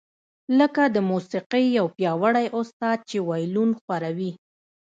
لکه د موسیقۍ یو پیاوړی استاد چې وایلون ښوروي